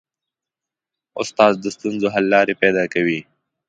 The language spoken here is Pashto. استاد د ستونزو حل لارې پیدا کوي.